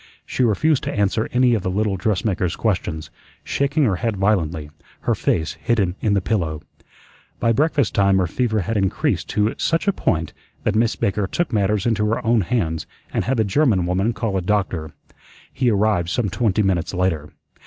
She refused to answer any of the little dressmaker's questions, shaking her head violently, her face hidden in the pillow. By breakfast time her fever had increased to such a point that Miss Baker took matters into her own hands and had the German woman call a doctor. He arrived some twenty minutes later.